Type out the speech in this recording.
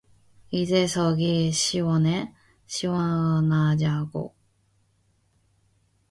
이제 속이 시원해? 시원하냐고!